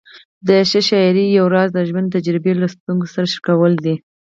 د ښې شاعرۍ یو راز د ژوند تجربې له لوستونکي سره شریکول دي.